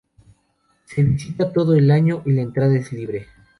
Se visita todo el año y la entrada es libre.